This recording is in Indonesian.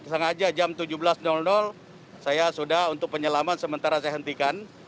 sengaja jam tujuh belas saya sudah untuk penyelaman sementara saya hentikan